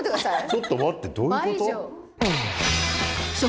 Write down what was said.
ちょっと待ってどういう事？